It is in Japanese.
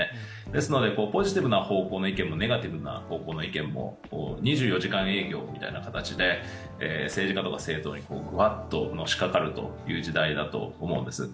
ですので、ポジティブな方向の意見も、ネガティブな方向の意見も２４時間営業みたいな形で政治家とか政党にぐわっとのしかかるという時代だと思うんです。